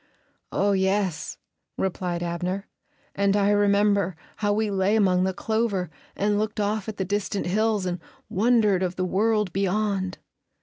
"Oh, yes," replied Abner, "and I remember how we lay among the clover and looked off at the distant hills and wondered of the world beyond."